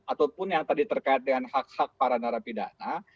ataupun yang tadi terkait dengan hak hak para narapidana